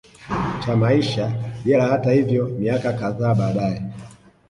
cha maisha jela Hata hivyo miaka kadhaa baadae